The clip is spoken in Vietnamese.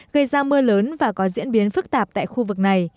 gây ra mưa lớn và có diễn biến phức tạp tại khu vực này